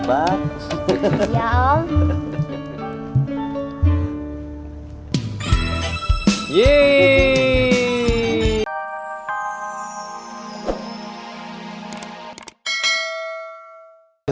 tadi banyak tapi enggak makanya banyak